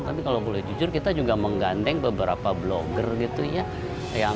tapi kalau boleh jujur kita juga menggandeng beberapa blogger gitu ya